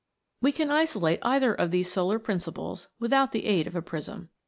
We can isolate either of these solar principles without the aid of a prism.